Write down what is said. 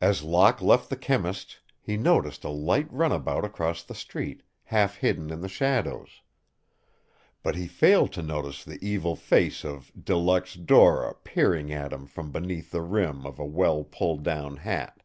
As Locke left the chemist's he noticed a light runabout across the street, half hidden in the shadows. But he failed to notice the evil face of De Luxe Dora peering at him from beneath the rim of a well pulled down hat.